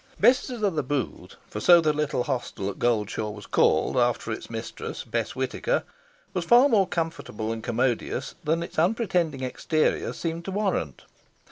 Bess's o' th' Booth for so the little hostel at Goldshaw was called, after its mistress Bess Whitaker was far more comfortable and commodious than its unpretending exterior seemed to warrant.